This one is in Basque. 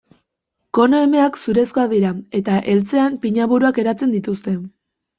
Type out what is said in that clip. Kono emeak zurezkoak dira eta heltzean pinaburuak eratzen dituzte.